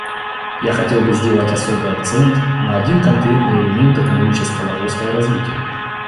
Я хотел бы сделать особый акцент на один конкретный элемент экономического роста и развития.